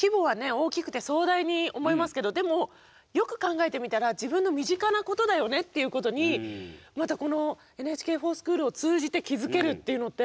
大きくて壮大に思いますけどもでもよく考えてみたら自分の身近なことだよねっていうことにまたこの「ＮＨＫｆｏｒＳｃｈｏｏｌ」を通じて気付けるっていうのって。